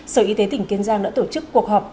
sở y tế tỉnh kiên giang đã tổ chức cuộc họp